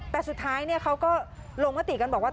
แต่สุดท้ายเขาก็ลงมติกันบอกว่า